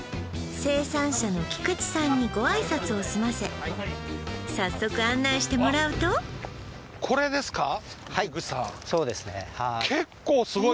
生産者の菊池さんにご挨拶を済ませ早速案内してもらうとはいそうですね